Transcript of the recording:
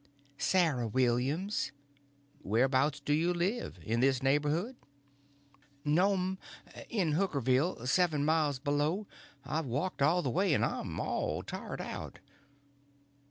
"Sarah Williams." "Where 'bouts do you live? In this neighborhood?' "No'm. In Hookerville, seven mile below. I've walked all the way and I'm all tired out."